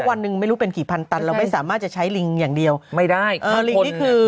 วันหนึ่งไม่รู้เป็นกี่พันตันเราไม่สามารถจะใช้ลิงอย่างเดียวไม่ได้คนคือ